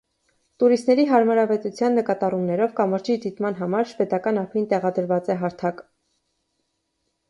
Տուրիստների հարմարավետության նկատառումներով կամրջի դիտման համար շվեդական ափին տեղադրված է հարթակ։